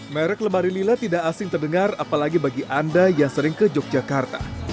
merek lemari lila tidak asing terdengar apalagi bagi anda yang sering ke yogyakarta